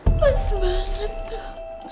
mas maret dong